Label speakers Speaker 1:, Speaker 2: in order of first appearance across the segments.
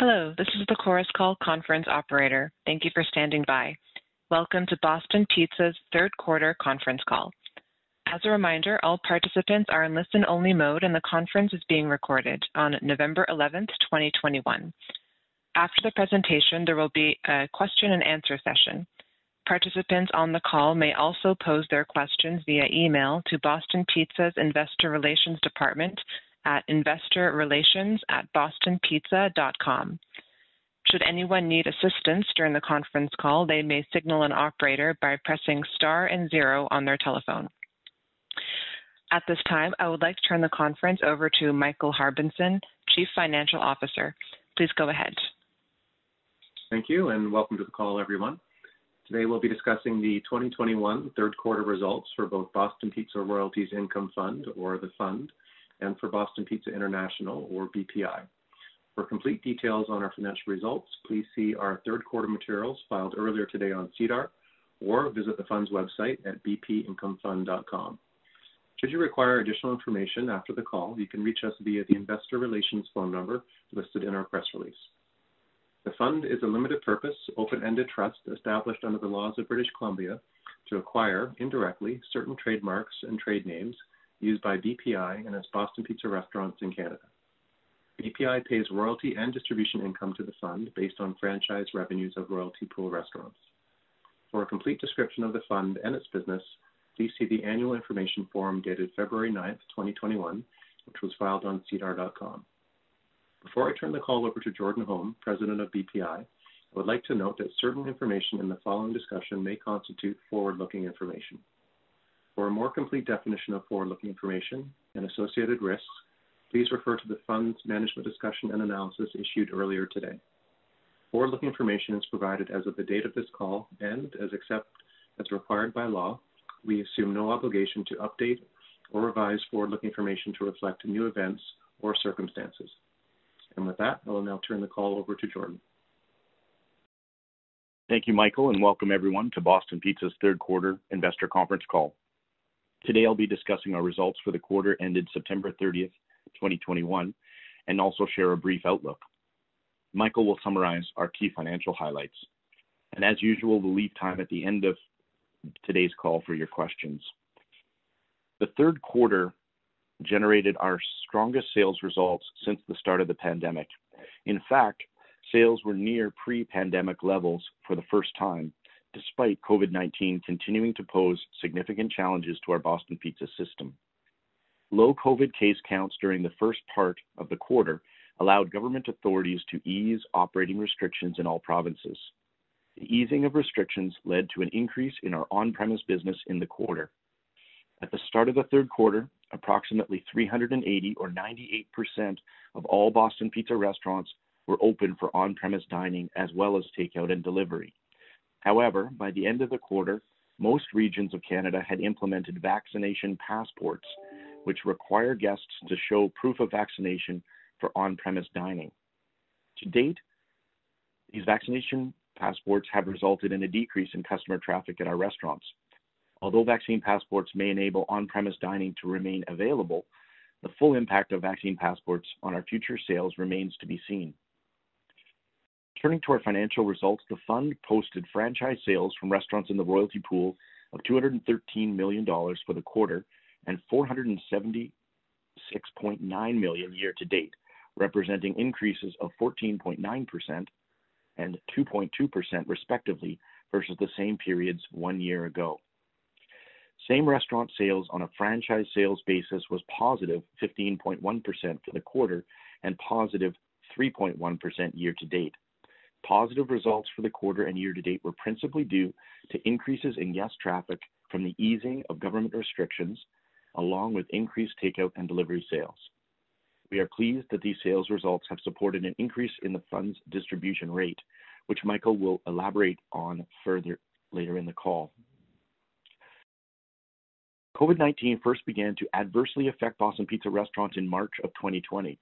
Speaker 1: Hello, this is the Chorus Call conference operator. Thank you for standing by. Welcome to Boston Pizza's third quarter conference call. As a reminder, all participants are in listen-only mode, and the conference is being recorded on November eleventh, twenty-twenty-one. After the presentation, there will be a question-and-answer session. Participants on the call may also pose their questions via email to Boston Pizza's Investor Relations department at investorrelations@bostonpizza.com. Should anyone need assistance during the conference call, they may signal an operator by pressing star and zero on their telephone. At this time, I would like to turn the conference over to Michael Harbinson, Chief Financial Officer. Please go ahead.
Speaker 2: Thank you, and welcome to the call, everyone. Today we'll be discussing the 2021 third quarter results for both Boston Pizza Royalties Income Fund or the Fund, and for Boston Pizza International or BPI. For complete details on our financial results, please see our third quarter materials filed earlier today on SEDAR or visit the Fund's website at bpincomefund.com. Should you require additional information after the call, you can reach us via the investor relations phone number listed in our press release. The Fund is a limited purpose, open-ended trust established under the laws of British Columbia to acquire, indirectly, certain trademarks and trade names used by BPI and its Boston Pizza restaurants in Canada. BPI pays royalty and distribution income to the Fund based on franchise revenues of royalty pool restaurants. For a complete description of the Fund and its business, please see the annual information form dated February ninth, twenty-twenty-one, which was filed on sedar.com. Before I turn the call over to Jordan Holm, President of BPI, I would like to note that certain information in the following discussion may constitute forward-looking information. For a more complete definition of forward-looking information and associated risks, please refer to the Fund's management discussion and analysis issued earlier today. Forward-looking information is provided as of the date of this call and, except as required by law, we assume no obligation to update or revise forward-looking information to reflect new events or circumstances. With that, I will now turn the call over to Jordan.
Speaker 3: Thank you, Michael, and welcome everyone to Boston Pizza's third quarter investor conference call. Today I'll be discussing our results for the quarter ended September 30, 2021, and also share a brief outlook. Michael will summarize our key financial highlights. As usual, we'll leave time at the end of today's call for your questions. The third quarter generated our strongest sales results since the start of the pandemic. In fact, sales were near pre-pandemic levels for the first time, despite COVID-19 continuing to pose significant challenges to our Boston Pizza system. Low COVID case counts during the first part of the quarter allowed government authorities to ease operating restrictions in all provinces. The easing of restrictions led to an increase in our on-premise business in the quarter. At the start of the third quarter, approximately 98% of all Boston Pizza restaurants were open for on-premise dining as well as takeout and delivery. However, by the end of the quarter, most regions of Canada had implemented vaccination passports, which require guests to show proof of vaccination for on-premise dining. To date, these vaccination passports have resulted in a decrease in customer traffic at our restaurants. Although vaccine passports may enable on-premise dining to remain available, the full impact of vaccine passports on our future sales remains to be seen. Turning to our financial results, the Fund posted Franchise Sales from restaurants in the royalty pool of 213 million dollars for the quarter and 476.9 million year to date, representing increases of 14.9% and 2.2% respectively versus the same periods one year ago. Same Restaurant Sales on a Franchise Sales basis was +15.1% for the quarter and +3.1% year to date. Positive results for the quarter and year to date were principally due to increases in guest traffic from the easing of government restrictions along with increased takeout and delivery sales. We are pleased that these sales results have supported an increase in the Fund's distribution rate, which Michael will elaborate on further later in the call. COVID-19 first began to adversely affect Boston Pizza restaurants in March 2020.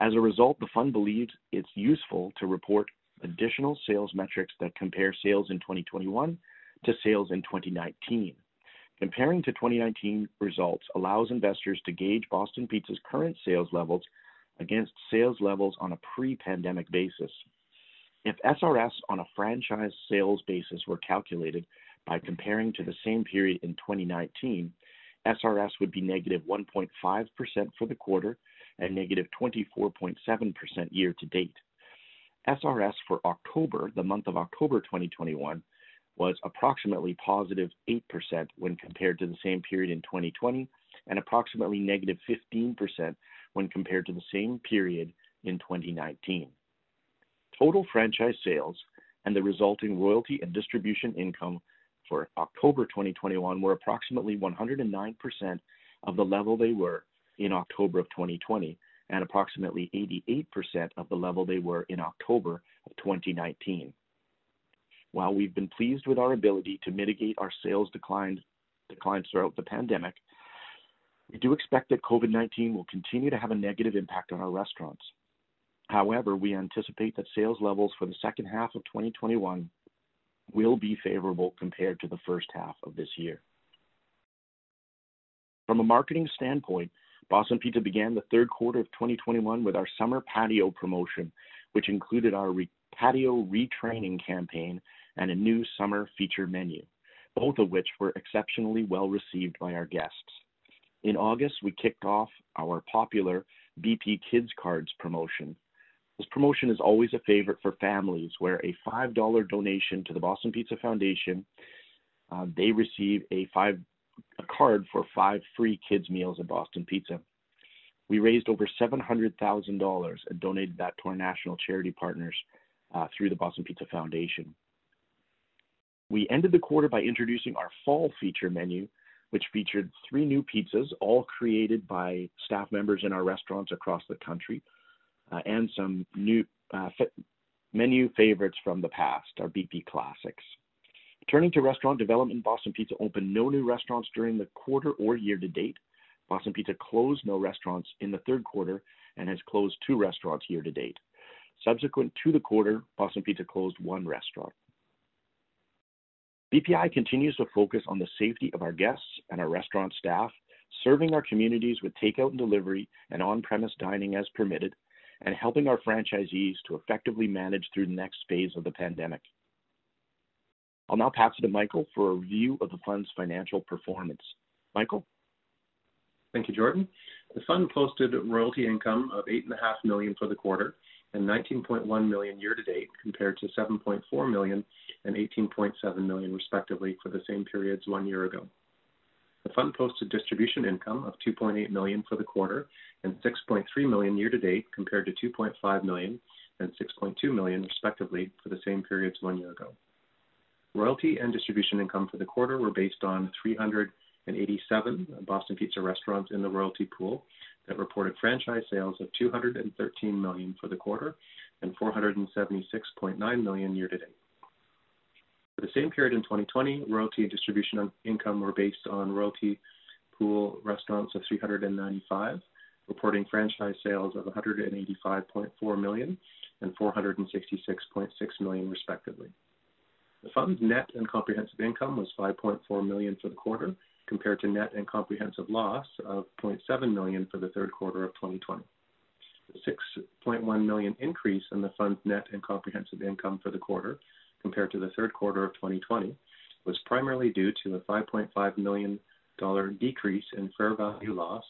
Speaker 3: As a result, the Fund believes it's useful to report additional sales metrics that compare sales in 2021 to sales in 2019. Comparing to 2019 results allows investors to gauge Boston Pizza's current sales levels against sales levels on a pre-pandemic basis. If SRS on a franchise sales basis were calculated by comparing to the same period in 2019, SRS would be -1.5% for the quarter and -24.7% year to date. SRS for October, the month of October 2021, was approximately +8% when compared to the same period in 2020 and approximately -15% when compared to the same period in 2019. Total franchise sales and the resulting royalty and distribution income for October 2021 were approximately 109% of the level they were in October 2020 and approximately 88% of the level they were in October 2019. While we've been pleased with our ability to mitigate our sales declines throughout the pandemic, we do expect that COVID-19 will continue to have a negative impact on our restaurants. However, we anticipate that sales levels for the second half of 2021 will be favorable compared to the first half of this year. From a marketing standpoint, Boston Pizza began the third quarter of 2021 with our summer patio promotion, which included our patio retraining campaign and a new summer feature menu, both of which were exceptionally well received by our guests. In August, we kicked off our popular BP Kids Cards promotion. This promotion is always a favorite for families, where a 5 dollar donation to the Boston Pizza Foundation, they receive a card for five free kids meals at Boston Pizza. We raised over 700,000 dollars and donated that to our national charity partners through the Boston Pizza Foundation. We ended the quarter by introducing our fall feature menu, which featured three new pizzas, all created by staff members in our restaurants across the country, and some new menu favorites from the past, our BP Classics. Turning to restaurant development, Boston Pizza opened no new restaurants during the quarter or year to date. Boston Pizza closed no restaurants in the third quarter and has closed two restaurants year to date. Subsequent to the quarter, Boston Pizza closed one restaurant. BPI continues to focus on the safety of our guests and our restaurant staff, serving our communities with takeout and delivery and on-premise dining as permitted, and helping our franchisees to effectively manage through the next phase of the pandemic. I'll now pass it to Michael for a review of the fund's financial performance. Michael?
Speaker 2: Thank you, Jordan. The fund posted royalty income of 8.5 million for the quarter and 19.1 million year to date, compared to 7.4 million and 18.7 million, respectively, for the same periods one year ago. The fund posted distribution income of 2.8 million for the quarter and 6.3 million year to date, compared to 2.5 million and 6.2 million, respectively, for the same periods one year ago. Royalty and distribution income for the quarter were based on 387 Boston Pizza restaurants in the royalty pool that reported franchise sales of 213 million for the quarter and 476.9 million year to date. For the same period in 2020, royalty and distribution income were based on royalty pool restaurants of 395, reporting franchise sales of 185.4 million and 466.6 million, respectively. The fund's net and comprehensive income was 5.4 million for the quarter compared to net and comprehensive loss of 0.7 million for the third quarter of 2020. The 6.1 million increase in the fund's net and comprehensive income for the quarter compared to the third quarter of 2020 was primarily due to a 5.5 million dollar decrease in fair value loss,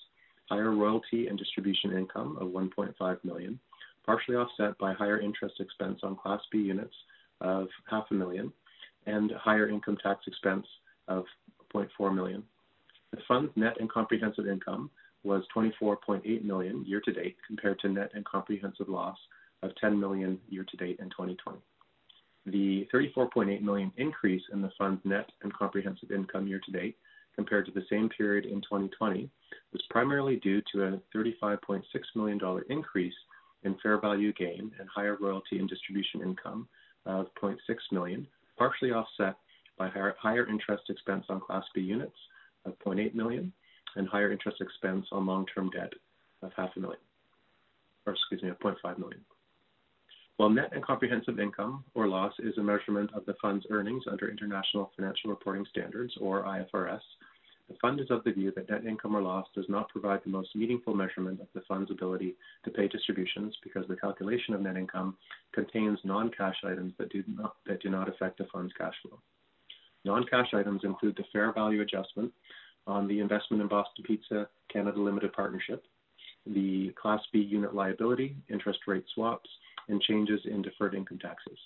Speaker 2: higher royalty and distribution income of 1.5 million, partially offset by higher interest expense on Class B Units of half a million, and higher income tax expense of 0.4 million. The Fund's net and comprehensive income was 24.8 million year to date, compared to net and comprehensive loss of 10 million year to date in 2020. The 34.8 million increase in the Fund's net and comprehensive income year to date compared to the same period in 2020 was primarily due to a 35.6 million dollar increase in fair value gain and higher royalty and distribution income of 0.6 million, partially offset by higher interest expense on Class B Units of 0.8 million and higher interest expense on long-term debt of half a million. Or excuse me, of 0.5 million. While net and comprehensive income or loss is a measurement of the fund's earnings under International Financial Reporting Standards, or IFRS, the fund is of the view that net income or loss does not provide the most meaningful measurement of the fund's ability to pay distributions because the calculation of net income contains non-cash items that do not affect the fund's cash flow. Non-cash items include the fair value adjustment on the investment in Boston Pizza Canada Limited Partnership, the Class B unit liability, interest rate swaps, and changes in deferred income taxes.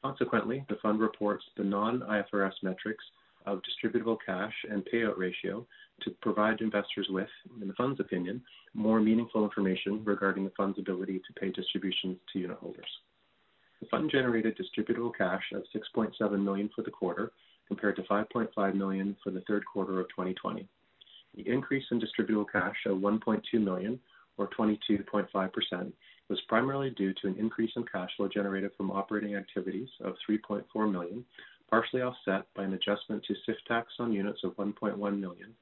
Speaker 2: Consequently, the fund reports the non-IFRS metrics of Distributable Cash and Payout Ratio to provide investors with, in the fund's opinion, more meaningful information regarding the fund's ability to pay distributions to unitholders. The Fund generated Distributable Cash of 6.7 million for the quarter, compared to 5.5 million for the third quarter of 2020. The increase in Distributable Cash of 1.2 million or 22.5% was primarily due to an increase in cash flow generated from operating activities of 3.4 million, partially offset by an adjustment to CIFT tax on units of 1.1 million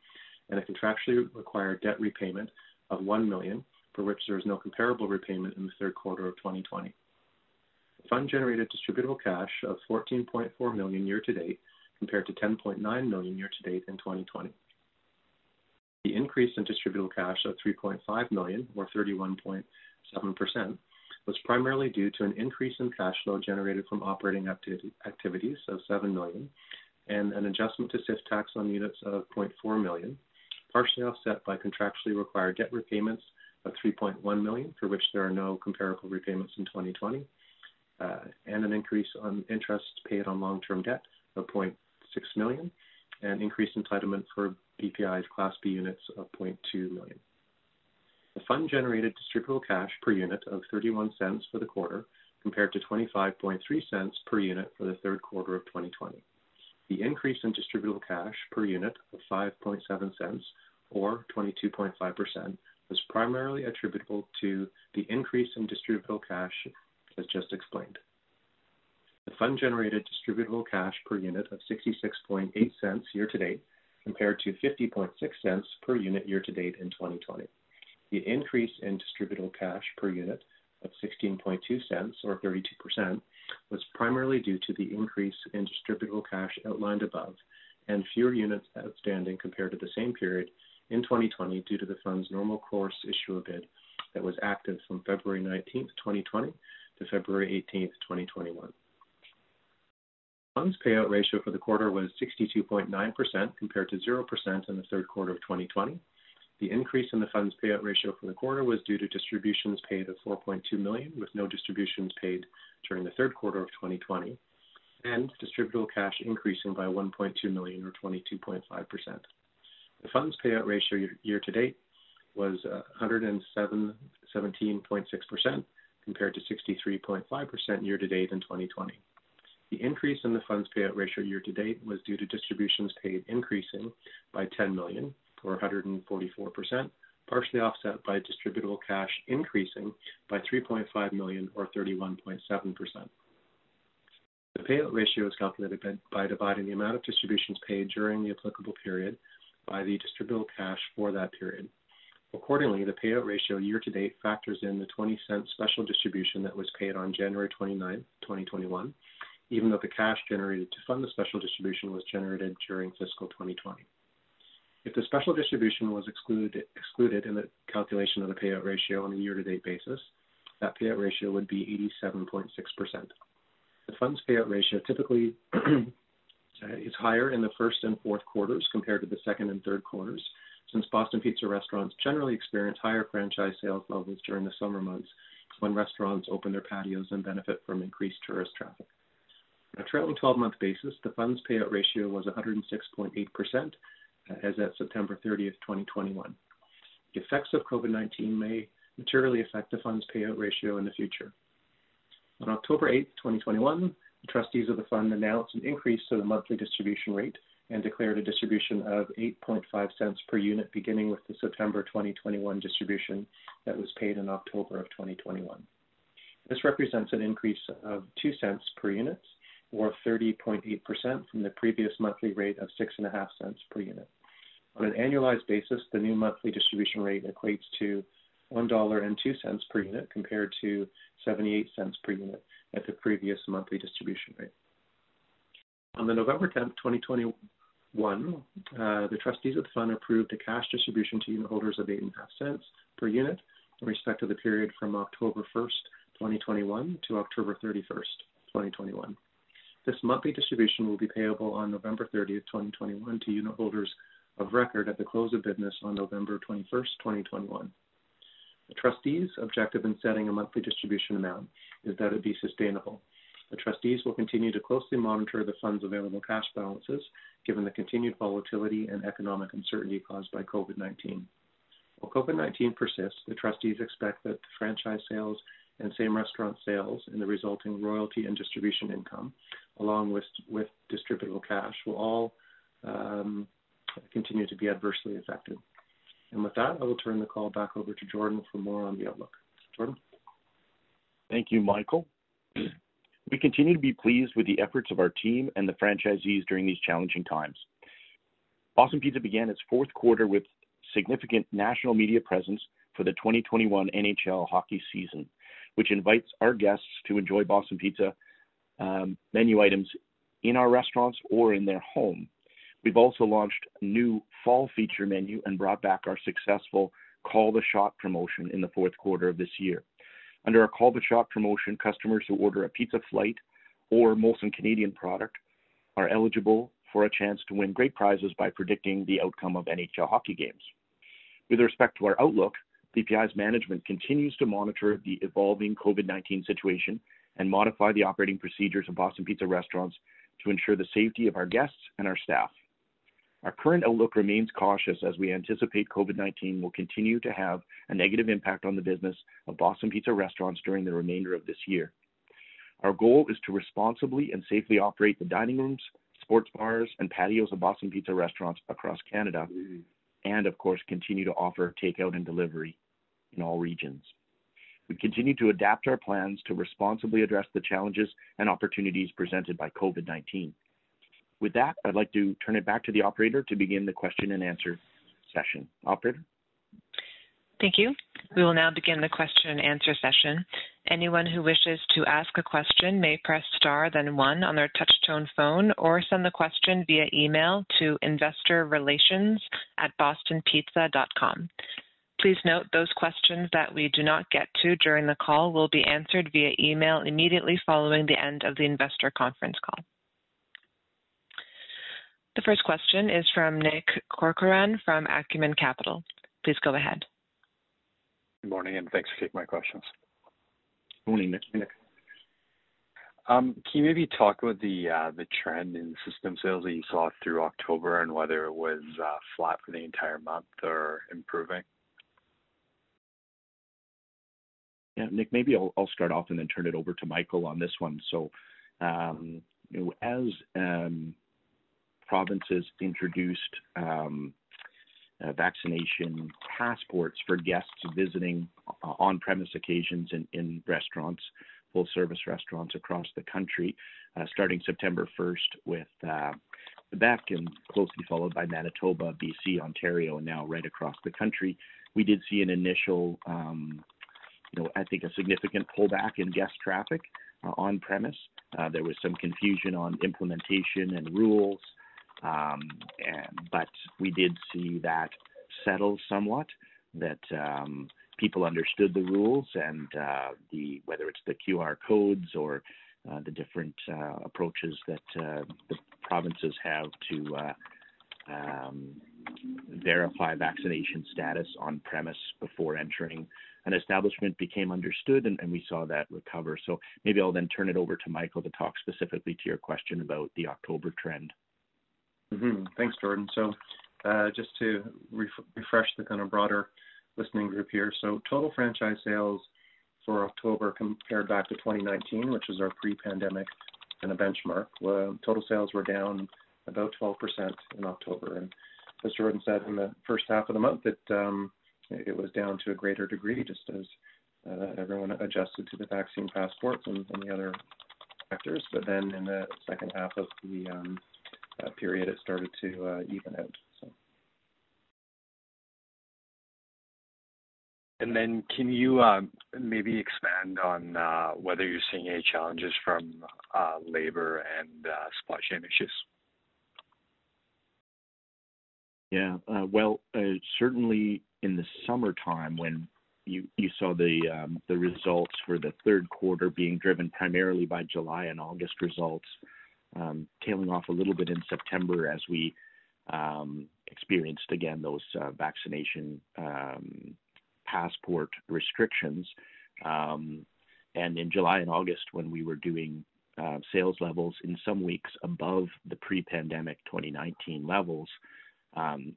Speaker 2: and a contractually required debt repayment of 1 million, for which there is no comparable repayment in the third quarter of 2020. The Fund generated Distributable Cash of 14.4 million year to date, compared to 10.9 million year to date in 2020. The increase in Distributable Cash of 3.5 million or 31.7% was primarily due to an increase in cash flow generated from operating activities of 7 million and an adjustment to CIFT tax on units of 0.4 million, partially offset by contractually required debt repayments of 3.1 million, for which there are no comparable repayments in 2020, and an increase on interest paid on long-term debt of 0.6 million and increased entitlement for BPI's Class B units of 0.2 million. The Fund generated Distributable Cash per unit of 0.31 for the quarter, compared to 0.253 per unit for the third quarter of 2020. The increase in Distributable Cash per unit of 0.057 or 22.5% was primarily attributable to the increase in Distributable Cash as just explained. The Fund generated Distributable Cash per unit of 0.668 year to date, compared to 0.506 per unit year to date in 2020. The increase in Distributable Cash per unit of 0.162 or 32% was primarily due to the increase in Distributable Cash outlined above and fewer units outstanding compared to the same period in 2020 due to the Fund's Normal Course Issuer Bid that was active from February 19, 2020 to February 18, 2021. Fund's Payout Ratio for the quarter was 62.9% compared to 0% in the third quarter of 2020. The increase in the fund's payout ratio for the quarter was due to distributions paid of 4.2 million, with no distributions paid during the third quarter of 2020 and distributable cash increasing by 1.2 million or 22.5%. The fund's payout ratio year to date was 117.6% compared to 63.5% year to date in 2020. The increase in the fund's payout ratio year to date was due to distributions paid increasing by 10 million or 144%, partially offset by distributable cash increasing by 3.5 million or 31.7%. The payout ratio is calculated by dividing the amount of distributions paid during the applicable period by the distributable cash for that period. Accordingly, the Payout Ratio year to date factors in the 0.20 special distribution that was paid on January 29, 2021, even though the cash generated to fund the special distribution was generated during fiscal 2020. If the special distribution was excluded in the calculation of the Payout Ratio on a year to date basis, that Payout Ratio would be 87.6%. The Fund's Payout Ratio typically is higher in the first and fourth quarters compared to the second and third quarters, since Boston Pizza restaurants generally experience higher Franchise Sales levels during the summer months when restaurants open their patios and benefit from increased tourist traffic. On a trailing twelve-month basis, the Fund's Payout Ratio was 106.8% as at September 30, 2021. The effects of COVID-19 may materially affect the Fund's Payout Ratio in the future. On October 8, 2021, the trustees of the fund announced an increase to the monthly distribution rate and declared a distribution of 0.085 per unit beginning with the September 2021 distribution that was paid in October 2021. This represents an increase of 0.02 per unit or 30.8% from the previous monthly rate of 0.065 per unit. On an annualized basis, the new monthly distribution rate equates to 1.02 dollar per unit compared to 0.78 per unit at the previous monthly distribution rate. On November 10, 2021, the trustees of the fund approved a cash distribution to unitholders of 0.085 per unit in respect to the period from October 1, 2021 to October 31, 2021. This monthly distribution will be payable on November 30, 2021 to unitholders of record at the close of business on November 21, 2021. The trustees' objective in setting a monthly distribution amount is that it be sustainable. The trustees will continue to closely monitor the fund's available cash balances given the continued volatility and economic uncertainty caused by COVID-19. While COVID-19 persists, the trustees expect that the Franchise Sales and Same Restaurant Sales and the resulting royalty and distribution income along with distributable cash will all continue to be adversely affected. With that, I will turn the call back over to Jordan for more on the outlook. Jordan.
Speaker 3: Thank you, Michael. We continue to be pleased with the efforts of our team and the franchisees during these challenging times. Boston Pizza began its fourth quarter with significant national media presence for the 2021 NHL hockey season, which invites our guests to enjoy Boston Pizza menu items in our restaurants or in their home. We've also launched a new fall feature menu and brought back our successful Call The Shot promotion in the fourth quarter of this year. Under our Call The Shot promotion, customers who order a Pizza Flight or Molson Canadian product are eligible for a chance to win great prizes by predicting the outcome of NHL hockey games. With respect to our outlook, BPI's management continues to monitor the evolving COVID-19 situation and modify the operating procedures of Boston Pizza restaurants to ensure the safety of our guests and our staff. Our current outlook remains cautious as we anticipate COVID-19 will continue to have a negative impact on the business of Boston Pizza restaurants during the remainder of this year. Our goal is to responsibly and safely operate the dining rooms, sports bars and patios of Boston Pizza restaurants across Canada and of course, continue to offer takeout and delivery in all regions. We continue to adapt our plans to responsibly address the challenges and opportunities presented by COVID-19. With that, I'd like to turn it back to the operator to begin the question and answer session. Operator.
Speaker 1: Thank you. We will now begin the question and answer session. Anyone who wishes to ask a question may press Star then one on their touch tone phone or send the question via email to investorrelations@bostonpizza.com. Please note those questions that we do not get to during the call will be answered via email immediately following the end of the investor conference call. The first question is from Nick Corcoran from Acumen Capital Partners. Please go ahead.
Speaker 4: Good morning, and thanks for taking my questions.
Speaker 3: Morning, Nick.
Speaker 4: Can you maybe talk about the trend in system sales that you saw through October and whether it was flat for the entire month or improving?
Speaker 3: Yeah, Nick, maybe I'll start off and then turn it over to Michael on this one. Provinces introduced vaccination passports for guests visiting on-premise occasions in restaurants, full-service restaurants across the country, starting September first with Quebec and closely followed by Manitoba, B.C., Ontario, now right across the country. We did see an initial, you know, I think a significant pullback in guest traffic, on premise. There was some confusion on implementation and rules, but we did see that settle somewhat, that people understood the rules and whether it's the QR codes or the different approaches that the provinces have to verify vaccination status on premise before entering an establishment became understood, and we saw that recover. Maybe I'll then turn it over to Michael to talk specifically to your question about the October trend.
Speaker 2: Mm-hmm. Thanks, Jordan. Just to refresh the kind of broader listening group here. Total franchise sales for October compared back to 2019, which is our pre-pandemic and a benchmark, were down about 12% in October. As Jordan said in the first half of the month that it was down to a greater degree, just as everyone adjusted to the vaccine passport and the other factors. Then in the second half of the period, it started to even out.
Speaker 4: Can you maybe expand on whether you're seeing any challenges from labor and supply chain issues?
Speaker 3: Yeah. Well, certainly in the summertime when you saw the results for the third quarter being driven primarily by July and August results, tailing off a little bit in September as we experienced again those vaccination passport restrictions. In July and August when we were doing sales levels in some weeks above the pre-pandemic 2019 levels,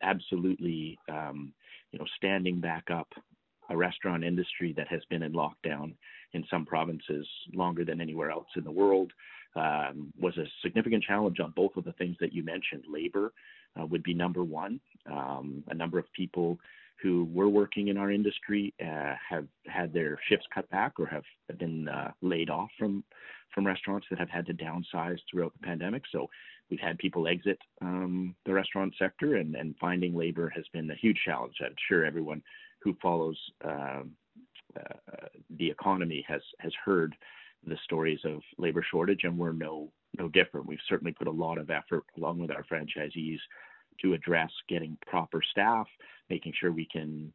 Speaker 3: absolutely, you know, standing back up a restaurant industry that has been in lockdown in some provinces longer than anywhere else in the world was a significant challenge on both of the things that you mentioned. Labor would be number one. A number of people who were working in our industry have had their shifts cut back or have been laid off from restaurants that have had to downsize throughout the pandemic. We've had people exit the restaurant sector and finding labor has been a huge challenge. I'm sure everyone who follows the economy has heard the stories of labor shortage, and we're no different. We've certainly put a lot of effort along with our franchisees to address getting proper staff, making sure we can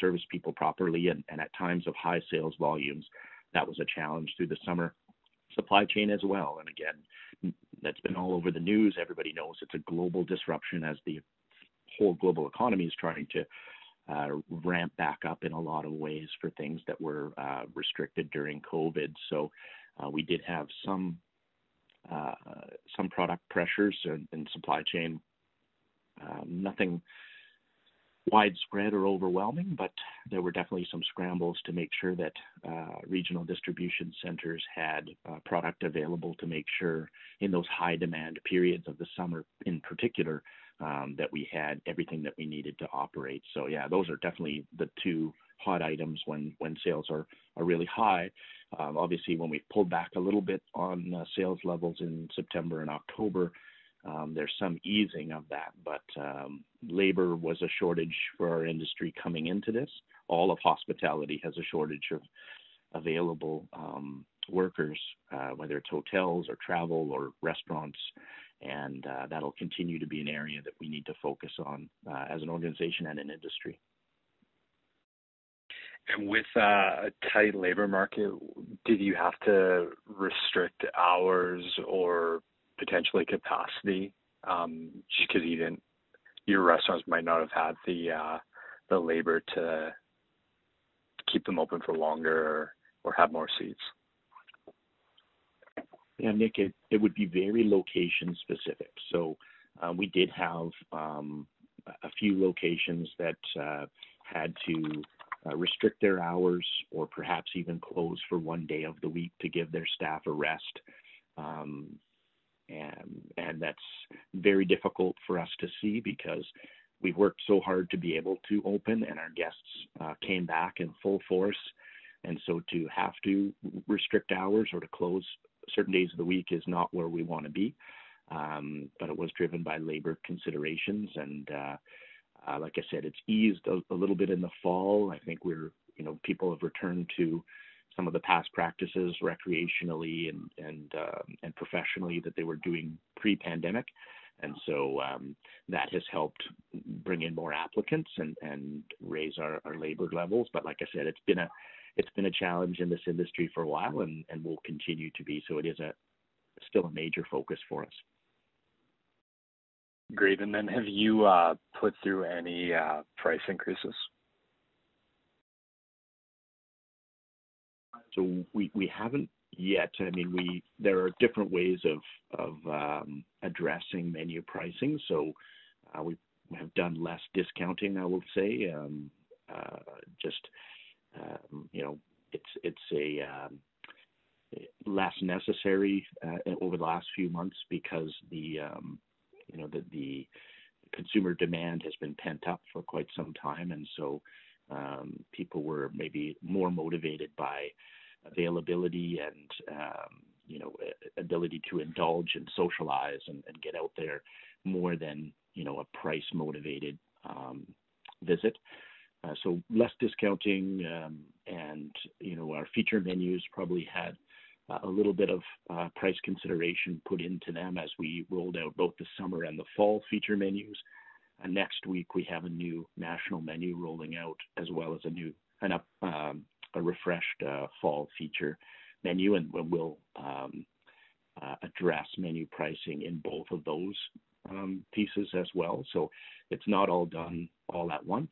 Speaker 3: service people properly. At times of high sales volumes, that was a challenge through the summer, supply chain as well. Again, that's been all over the news. Everybody knows it's a global disruption as the whole global economy is trying to ramp back up in a lot of ways for things that were restricted during COVID. We did have some product pressures in supply chain, nothing widespread or overwhelming, but there were definitely some scrambles to make sure that regional distribution centers had product available to make sure in those high demand periods of the summer in particular, that we had everything that we needed to operate. Yeah, those are definitely the two hot items when sales are really high. Obviously when we pulled back a little bit on sales levels in September and October, there's some easing of that. Labor was a shortage for our industry coming into this. All of hospitality has a shortage of available workers, whether it's hotels or travel or restaurants. That'll continue to be an area that we need to focus on as an organization and an industry.
Speaker 4: With a tight labor market, did you have to restrict hours or potentially capacity, just 'cause your restaurants might not have had the labor to keep them open for longer or have more seats?
Speaker 3: Yeah, Nick, it would be very location specific. We did have a few locations that had to restrict their hours or perhaps even close for one day of the week to give their staff a rest. That's very difficult for us to see because we worked so hard to be able to open and our guests came back in full force. To have to restrict hours or to close certain days of the week is not where we wanna be. It was driven by labor considerations. Like I said, it's eased a little bit in the fall. I think, you know, people have returned to some of the past practices recreationally and professionally that they were doing pre-pandemic. that has helped bring in more applicants and raise our labor levels. Like I said, it's been a challenge in this industry for a while and will continue to be so. It is still a major focus for us.
Speaker 4: Great. Have you put through any price increases?
Speaker 3: We haven't yet. I mean, there are different ways of addressing menu pricing. We have done less discounting, I would say. Just, you know, it's a less necessary over the last few months because the, you know, the consumer demand has been pent up for quite some time. People were maybe more motivated by availability and, you know, ability to indulge and socialize and get out there more than, you know, a price-motivated visit. Less discounting. And, you know, our feature menus probably had a little bit of price consideration put into them as we rolled out both the summer and the fall feature menus. Next week, we have a new national menu rolling out as well as a new and refreshed fall feature menu. We'll address menu pricing in both of those pieces as well. It's not all done all at once.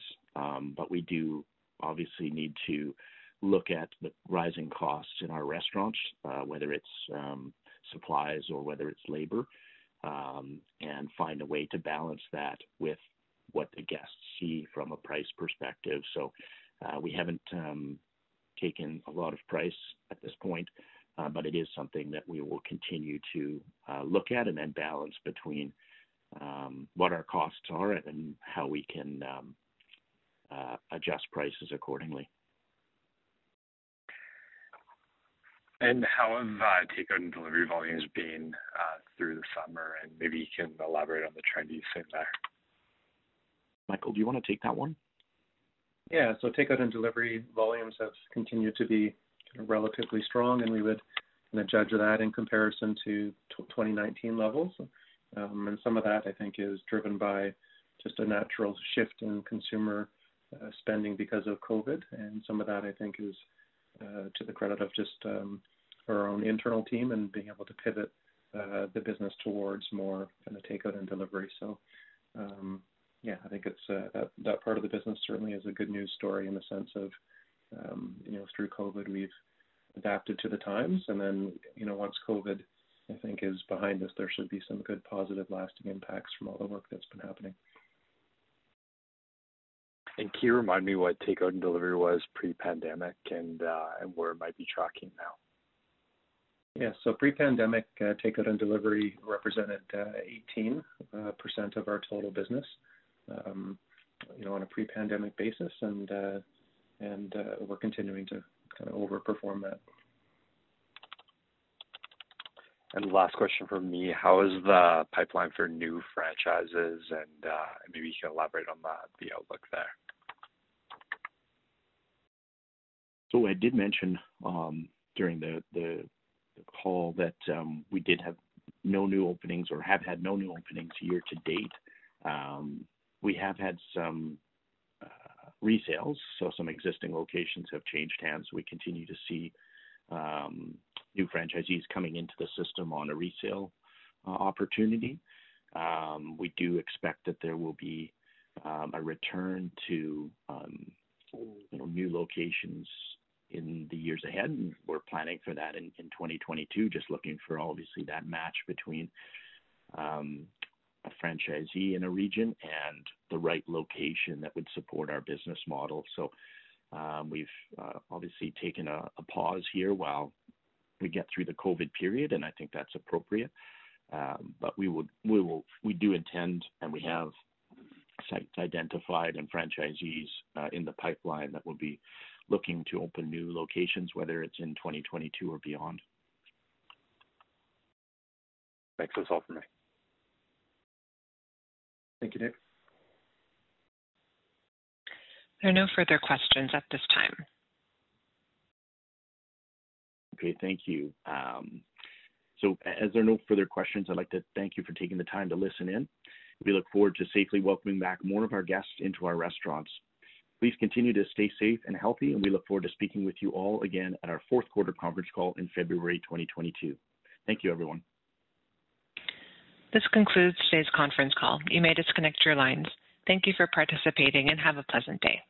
Speaker 3: We do obviously need to look at the rising costs in our restaurants, whether it's supplies or whether it's labor, and find a way to balance that with what the guests see from a price perspective. We haven't taken a lot of price at this point, but it is something that we will continue to look at and then balance between what our costs are and how we can adjust prices accordingly.
Speaker 4: How have takeout and delivery volumes been through the summer? Maybe you can elaborate on the trend you've seen there.
Speaker 3: Michael, do you wanna take that one?
Speaker 2: Yeah. Takeout and delivery volumes have continued to be relatively strong, and we would kinda judge that in comparison to 2019 levels. Some of that, I think, is driven by just a natural shift in consumer spending because of COVID, and some of that, I think, is to the credit of just our own internal team and being able to pivot the business towards more in the takeout and delivery. Yeah, I think it's that part of the business certainly is a good news story in the sense of you know, through COVID, we've adapted to the times. You know, once COVID, I think, is behind us, there should be some good, positive lasting impacts from all the work that's been happening.
Speaker 4: Can you remind me what takeout and delivery was pre-pandemic and where it might be tracking now?
Speaker 2: Yeah. Pre-pandemic, takeout and delivery represented 18% of our total business, you know, on a pre-pandemic basis. We're continuing to kinda overperform that.
Speaker 4: Last question from me, how is the pipeline for new franchises? Maybe you can elaborate on the outlook there.
Speaker 3: I did mention during the call that we did have no new openings or have had no new openings year to date. We have had some resales, so some existing locations have changed hands. We continue to see new franchisees coming into the system on a resale opportunity. We do expect that there will be a return to you know new locations in the years ahead, and we're planning for that in 2022. Just looking for obviously that match between a franchisee in a region and the right location that would support our business model. We've obviously taken a pause here while we get through the COVID period, and I think that's appropriate. We do intend, and we have sites identified and franchisees in the pipeline that will be looking to open new locations, whether it's in 2022 or beyond.
Speaker 4: Thanks. That's all for me.
Speaker 3: Thank you, Nick.
Speaker 1: There are no further questions at this time.
Speaker 3: Okay. Thank you. As there are no further questions, I'd like to thank you for taking the time to listen in. We look forward to safely welcoming back more of our guests into our restaurants. Please continue to stay safe and healthy, and we look forward to speaking with you all again at our fourth quarter conference call in February 2022. Thank you, everyone.
Speaker 1: This concludes today's conference call. You may disconnect your lines. Thank you for participating, and have a pleasant day.